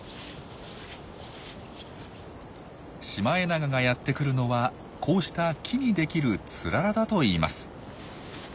シマエナガがやってくるのはこうした木にできるツララだといいます。